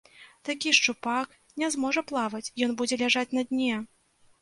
Такі шчупак не зможа плаваць, ён будзе ляжаць на дне!